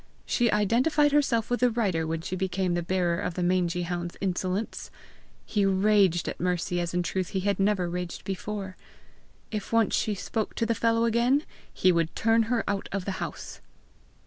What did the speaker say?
She identified herself with the writer when she became the bearer of the mangy hound's insolence! He raged at Mercy as in truth he had never raged before. If once she spoke to the fellow again, he would turn her out of the house!